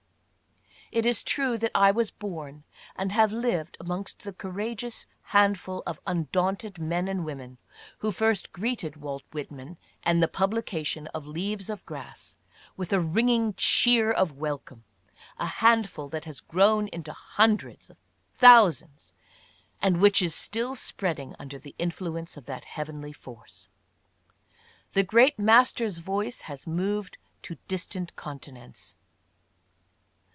It is true that I was born and have lived amongst the coura geous handful of undaunted men and women who first greeted Walt Whitman and the publication of "Leaves of Grass " with a ringing cheer of welcome — a handful that has grown into hun dreds, thousands — and which is still spreading under the influ ence of that heavenly force. The great master's voice has moved to distant continents.